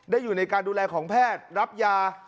อยู่ในการดูแลของแพทย์รับยา